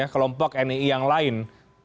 kelompok nii yang lain